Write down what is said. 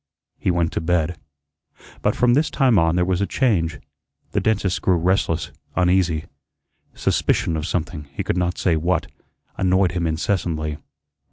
He went to bed. But from this time on there was a change. The dentist grew restless, uneasy. Suspicion of something, he could not say what, annoyed him incessantly.